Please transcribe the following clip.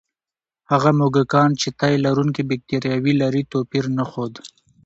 هغه موږکان چې د تیلرونکي بکتریاوې لري، توپیر نه ښود.